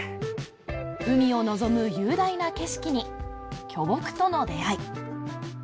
海を望む雄大な景色に巨木との出会い。